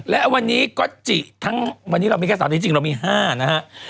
และวันนี้ก็จิทั้งวันนี้เรามีแค่สามจริงจริงเรามีห้านะฮะอ่า